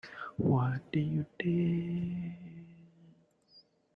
What did you think?